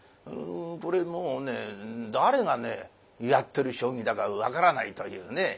これもうね誰がねやってる将棋だか分からないというね。